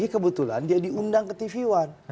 kebetulan dia diundang ke tv one